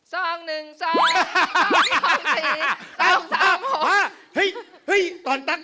เฮ่ยเฮ่ยตอนตากล้วน